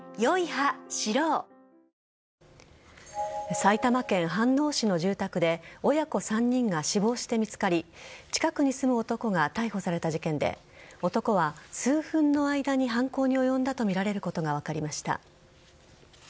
埼玉県飯能市の住宅で親子３人が死亡して見つかり近くに住む男が逮捕された事件で男は数分の間に犯行に及んだとみられることが分かりました。